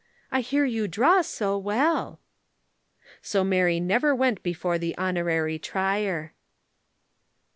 "I hear you draw so well." So Mary never went before the Honorary Trier.